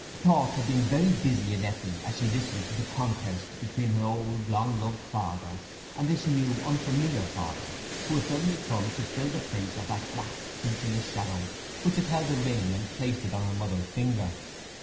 Thought had been very busy in Eppie as she listened to the contest between her old long loved father and this new unfamiliar father who had suddenly come to fill the place of that black featureless shadow which had held the ring and placed it on her mother's finger.